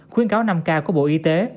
khuyến cáo năm k của bộ y tế